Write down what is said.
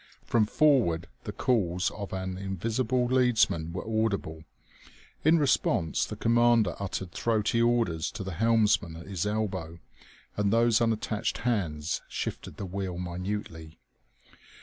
From forward the calls of an invisible leadsman were audible. In response the commander uttered throaty orders to the helmsman at his elbow, and those unattached hands shifted the wheel minutely.